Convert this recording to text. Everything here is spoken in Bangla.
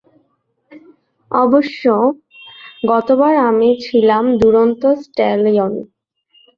অবশ্য, গতবার আমি ছিলাম দুরন্ত স্ট্যালিয়ন।